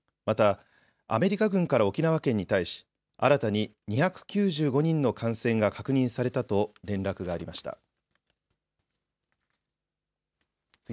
また、アメリカ軍から沖縄県に対し新たに２９５人の感染が確認されたと連絡がありました。